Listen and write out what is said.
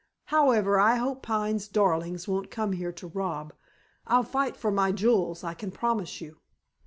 "However, I hope Pine's darlings won't come here to rob. I'll fight for my jewels, I can promise you."